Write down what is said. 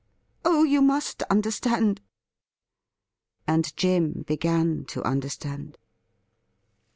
Oh, you must understand !' And Jim began to understand.